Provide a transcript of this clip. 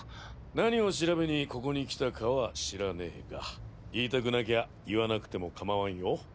何を調べにここに来たかは知らねぇが言いたくなきゃ言わなくても構わんよ。